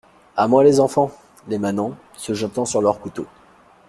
À moi, les enfants ! les manants , se jetant sur leurs couteaux.